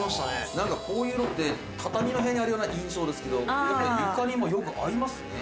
何かこういう色って畳の部屋にあるような印象ですけど床にもよく合いますね。